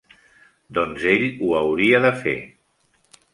Doncs ell ho hauria de fer.